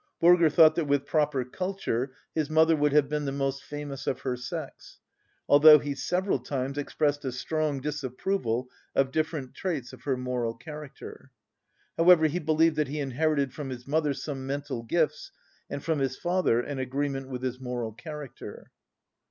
Bürger thought that with proper culture his mother would have been the most famous of her sex, although he several times expressed a strong disapproval of different traits of her moral character. However, he believed that he inherited from his mother some mental gifts, and from his father an agreement with his moral character."